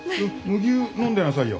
麦湯飲んでなさいよ。